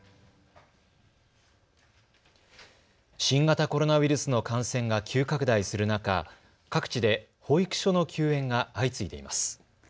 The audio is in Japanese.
新型コロナウイルスの感染が急拡大する中、各地で保育所の休園が相次いでいます。